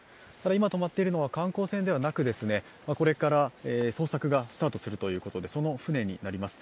今、止まっているのは観光船ではなくこれから捜索がスタートするということでその舟になります。